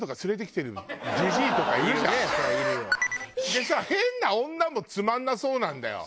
でさ変な女もつまんなそうなんだよ。